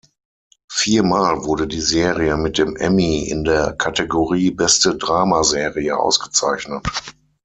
Viermal wurde die Serie mit dem Emmy in der Kategorie "Beste Dramaserie" ausgezeichnet.